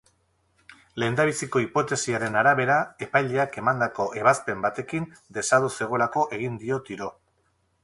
Lehendabiziko hipotesiaren arabera, epaileak emandako ebazpen batekin desados zegoelako egin dio tiro.